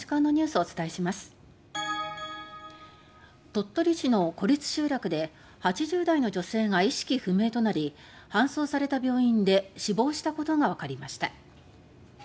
鳥取市の孤立集落で８０代の女性が意識不明となり搬送された病院で死亡したことがわかりました。